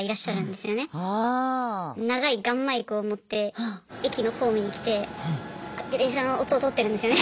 長いガンマイクを持って駅のホームに来てこうやって電車の音をとってるんですよね。